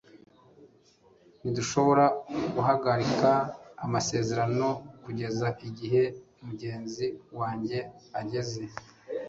ntidushobora guhagarika amasezerano kugeza igihe mugenzi wanjye ageze